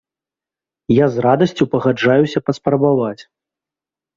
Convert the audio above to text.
Я з радасцю пагаджаюся паспрабаваць.